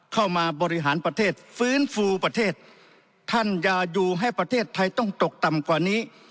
เข้ามาบริหารประเทศฟื้นฟูประเทศท่านอย่าอยู่ให้ประเทศไทยต้องตกต่ำกว่านี้